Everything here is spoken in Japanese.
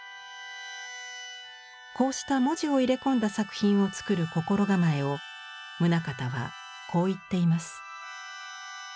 こうした文字を入れ込んだ作品を作る心構えを棟方はこう言っています。